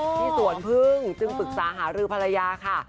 ที่สวนพึ่งจึงปรึกษาหารือภรรยาค่ะ